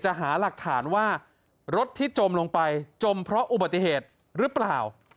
หาหลักฐานว่ารถที่จมลงไปจมเพราะอุบัติเหตุหรือเปล่า